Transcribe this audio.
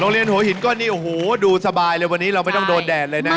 โรงเรียนหัวหินก่อนนี้โอ้โหดูสบายเลยวันนี้เราไม่ต้องโดนแดดเลยนะคะ